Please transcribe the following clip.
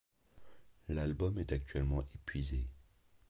L'album est actuellement épuisé.